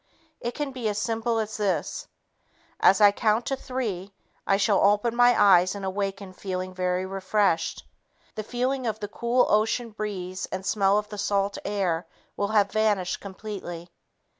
It can be as simple as this: "As I count to three, I shall open my eyes and awaken feeling very refreshed. The feeling of the cool ocean breeze and smell of the salt air will have vanished completely."